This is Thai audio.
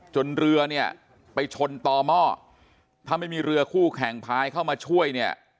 จนเรือไปชนต่อหม้อถ้าไม่มีเรือคู่แข่งพายเข้ามาช่วย